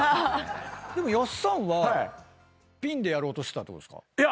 でもやっさんはピンでやろうとしてたってことですか？